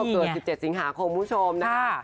เกิด๑๗สิงหาคมคุณผู้ชมนะคะ